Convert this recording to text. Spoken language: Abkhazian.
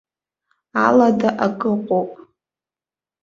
Алада акы ыҟоуп.